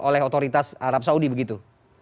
oleh otoritas arab saudi begitu